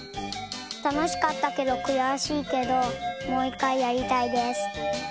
たのしかったけどくやしいけどもういっかいやりたいです。